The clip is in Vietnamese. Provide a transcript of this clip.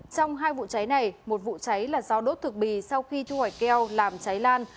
trong hai vụ cháy này một vụ cháy là do đốt thực bì sau khi thu hoạch keo làm cháy lan